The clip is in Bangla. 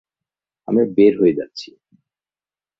আমরা বের হয়ে যাচ্ছি।